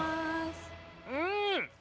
うん！